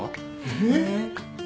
えっ！